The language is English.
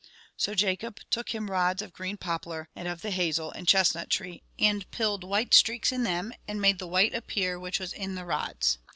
So Jacob "took him rods of green poplar, and of the hazel and chestnut tree; and pilled white streaks in them, and made the white appear which was in the rods.